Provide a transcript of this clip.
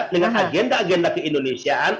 dengan agenda agenda keindonesiaan